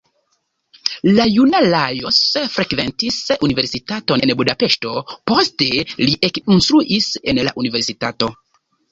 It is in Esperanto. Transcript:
La juna Lajos frekventis universitaton en Budapeŝto, poste li ekinstruis en la universitato.